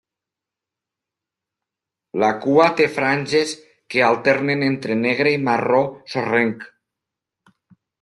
La cua té franges que alternen entre negre i marró sorrenc.